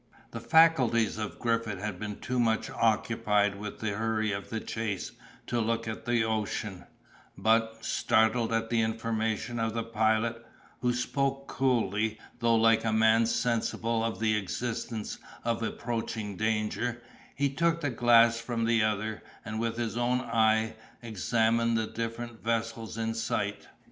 The faculties of Griffith had been too much occupied with the hurry of the chase to look at the ocean; but, startled at the information of the Pilot, who spoke coolly, though like a man sensible of the existence of approaching danger, he took the glass from the other, and with his own eye examined the different vessels in sight.